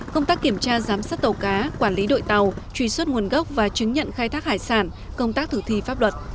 công tác kiểm tra giám sát tàu cá quản lý đội tàu truy xuất nguồn gốc và chứng nhận khai thác hải sản công tác thử thi pháp luật